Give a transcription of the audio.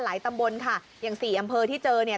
ตำบลค่ะอย่างสี่อำเภอที่เจอเนี่ย